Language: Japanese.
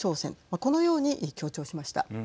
このように強調しました。